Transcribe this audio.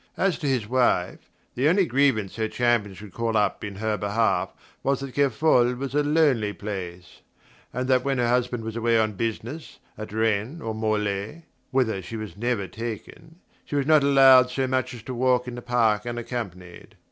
As to his wife, the only grievance her champions could call up in her behalf was that Kerfol was a lonely place, and that when her husband was away on business at Rennes or Morlaix whither she was never taken she was not allowed so much as to walk in the park unaccompanied.